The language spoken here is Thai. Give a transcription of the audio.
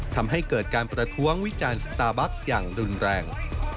ทำให้เกิดการประท้วงวิจารณ์สตาร์บัคอย่างรุนแรง